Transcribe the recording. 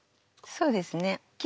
そうですね。